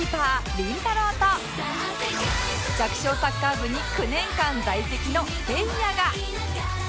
と弱小サッカー部に９年間在籍のせいやが